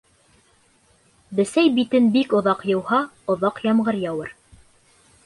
Бесәй биген бик оҙаҡ йыуһа, оҙаҡ ямғыр яуыр.